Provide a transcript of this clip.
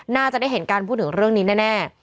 น่าจะได้เห็นการพูดถึงเรื่องนี้แน่